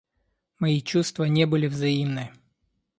Мои чувства не были взаимны.